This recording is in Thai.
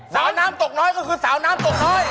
สาวน้ำตกน้อยก็คือสาวน้ำตกน้อย